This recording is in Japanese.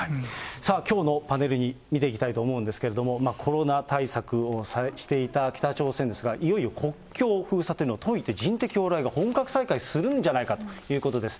きょうのパネルに、見ていきたいと思うんですけれども、コロナ対策をしていた北朝鮮ですが、いよいよ国境封鎖というのを解いて人的往来が本格再開するんじゃないかということです。